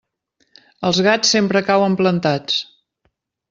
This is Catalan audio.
Els gats sempre cauen plantats.